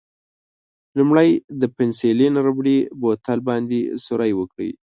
لومړی د پنسیلین ربړي بوتل باندې سوری وکړئ.